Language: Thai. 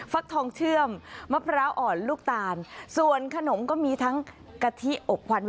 ฟักทองเชื่อมมะพร้าวอ่อนลูกตาลส่วนขนมก็มีทั้งกะทิอบควัน